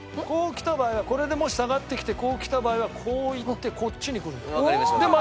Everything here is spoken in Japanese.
こうきた場合はこれでもし下がってきてこうきた場合はこういってこっちにくるんだよ。